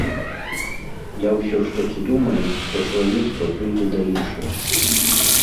Я ўсё ж такі думаю, што чалавецтва прыйдзе да іншага.